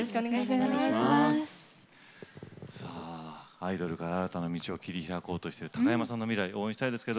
アイドルから新たな道を切り開こうとして高山さんに未来応援したいんですが。